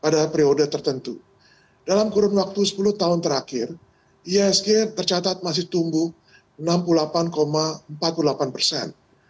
dalam kurun waktu sepuluh tahun terakhir isg tercatat masih tumbuh enam puluh delapan empat puluh delapan persen